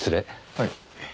はい。